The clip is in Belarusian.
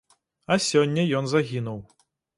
А сёння ён загінуў.